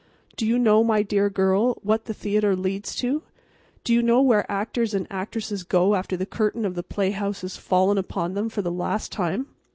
Do you know, my dear girl, what the theatre leads to? Do you know where actors and actresses go after the curtain of the playhouse has fallen upon them for the last time?"